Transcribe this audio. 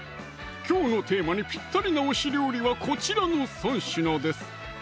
きょうのテーマにぴったりな推し料理はこちらの３品です